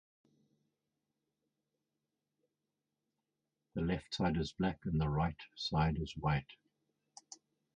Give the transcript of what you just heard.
The left side is black and the right side is white.